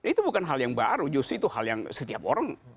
itu bukan hal yang baru justru itu hal yang setiap orang